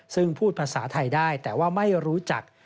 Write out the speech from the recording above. ซึ่งพูดภาษาไทยได้แต่ว่าไม่รู้จัก